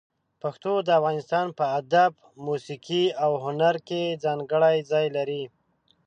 پښتو د افغانستان په ادب، موسيقي او هنر کې ځانګړی ځای لري.